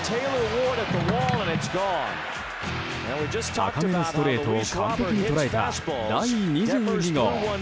高めのストレートを完璧に捉えた第２２号。